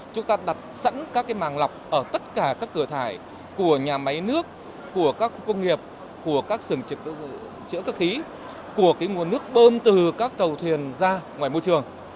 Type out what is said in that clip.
chúng ta đặt các cái màng lọc ở tất cả các cửa thải của nhà máy nước của các công nghiệp của các sưởng sửa chữa cơ ký của cái nguồn nước bơm từ các cầu thuyền ra ngoài môi trường